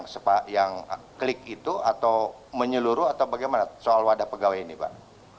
sepak yang klik itu atau menyeluruh atau bagaimana soal wadah pegawai ini pak